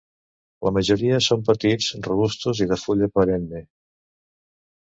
La majoria són petits, robustos i de fulla perenne.